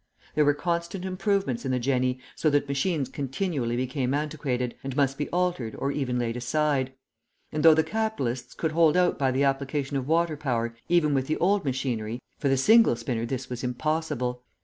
There were constant improvements in the jenny, so that machines continually became antiquated, and must be altered or even laid aside; and though the capitalists could hold out by the application of water power even with the old machinery, for the single spinner this was impossible.